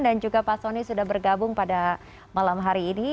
dan juga pak sonny sudah bergabung pada malam hari ini